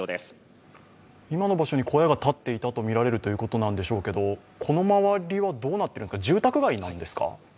今の場所に小屋が建っていたとみられるということなんでしょうけれども、この周りは住宅街なんですか？